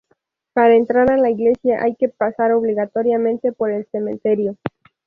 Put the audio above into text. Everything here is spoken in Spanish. Para entrar a la iglesia hay que pasar obligatoriamente por el cementerio.